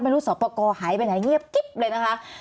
ไม่รู้สอบประกอบหายไปไหนเงียบเลยนะคะ